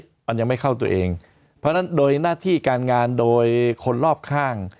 มันยังไม่เข้าตัวเองเพราะฉะนั้นโดยหน้าที่การงานโดยคนรอบข้าง